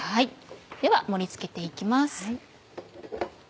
では盛り付けて行きます。